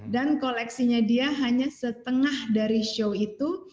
dan koleksinya dia hanya setengah dari show itu